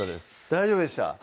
大丈夫でした？